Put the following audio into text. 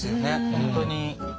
本当に。